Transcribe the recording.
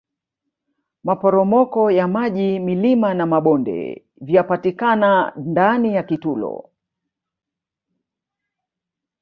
maporomoko ya maji milima na mabonde vianpatikana ndani ya kitulo